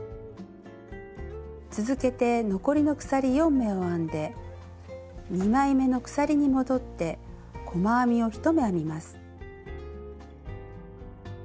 続けて残りの鎖４目を編んで２枚めの鎖に戻って細編みを１目編みます。